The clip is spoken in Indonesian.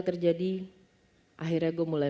terjadi akhirnya gue mulai